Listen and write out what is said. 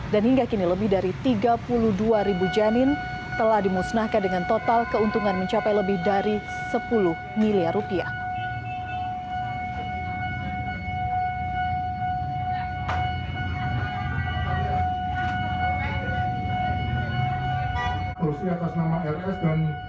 dan hingga kini lebih dari tiga puluh dua ribu janin telah dimusnahkan dengan total keuntungan mencapai lebih dari sepuluh miliar rupiah